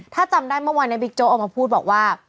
ถ้าจำได้เมื่อวานนี้บิ๊กโจ๊กออกมาพูดบอกว่า